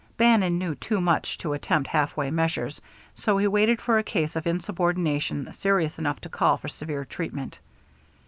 Bannon knew too much to attempt halfway measures, so he waited for a case of insubordination serious enough to call for severe treatment.